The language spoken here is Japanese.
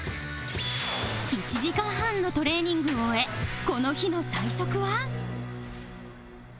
１時間半のトレーニングを終えこの日の最速は？